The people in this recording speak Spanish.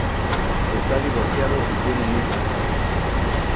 Está divorciado y tiene un hijo.